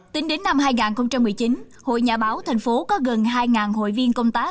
tính đến năm hai nghìn một mươi chín hội nhà báo thành phố có gần hai hội viên công tác